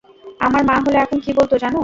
আমার মা হলে এখন কী বলতো, জানো?